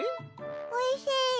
おいしい。